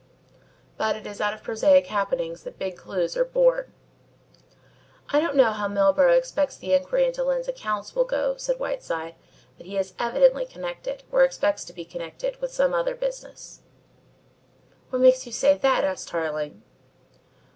But it is out of prosaic happenings that big clues are born. "I don't know how Milburgh expects the inquiry into Lyne's accounts will go," said Whiteside, "but he is evidently connected, or expects to be connected, with some other business." "What makes you say that?" asked Tarling.